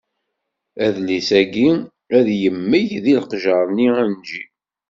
Adlis-ayi ad yemmag deg leqjer-nni anǧi.